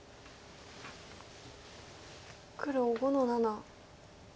黒５の七。